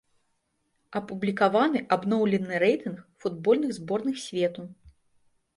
Апублікаваны абноўлены рэйтынг футбольных зборных свету.